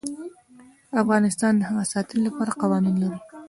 افغانستان د هوا د ساتنې لپاره قوانین لري.